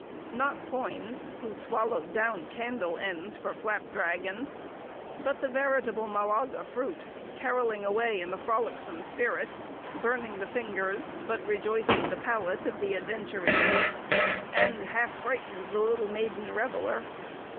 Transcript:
Not Poins's, who swallowed down candle ends for flap dragons; but the veritable Malaga fruit, carolling away in the frolicsome spirit, burning the fingers but rejoicing the palate of the adventurous youth, and half frightened little maiden reveller.